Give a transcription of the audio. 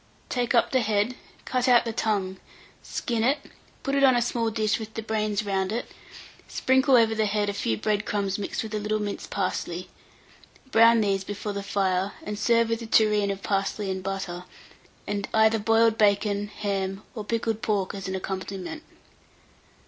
Take up the head, cut out the tongue, skin it, put it on a small dish with the brains round it; sprinkle over the head a few bread crumbs mixed with a little minced parsley; brown these before the fire, and serve with a tureen of parsley and butter, and either boiled bacon, ham, or pickled pork as an accompaniment.